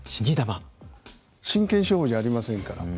真剣勝負じゃありませんから。